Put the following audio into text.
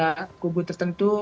kepada bubu tertentu